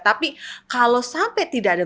tapi kalau sampai tidak ada